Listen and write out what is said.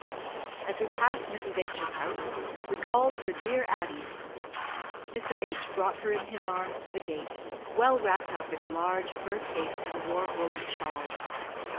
As we passed Mrs. H 's house, we called for dear Addie. Mr. H brought her in his arms to the gate, well wrapped up in a large fur cape and a warm woollen shawl.